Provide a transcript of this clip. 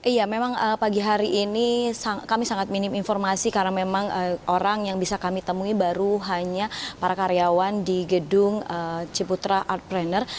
iya memang pagi hari ini kami sangat minim informasi karena memang orang yang bisa kami temui baru hanya para karyawan di gedung ciputra art planner